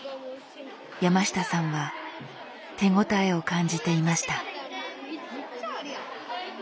山下さんは手応えを感じていました。